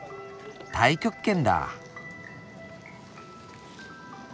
太極拳だあ。